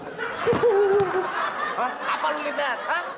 hah apa lu liat hah